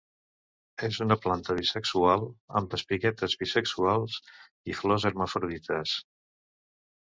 És una planta bisexual, amb espiguetes bisexuals; i flors hermafrodites.